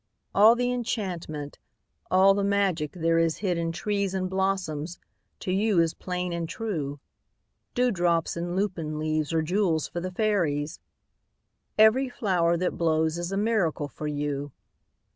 All the enchantment, all the magic there is Hid in trees and blossoms, to you is plain and true. Dewdrops in lupin leaves are jewels for the fairies; Every flower that blows is a miracle for you.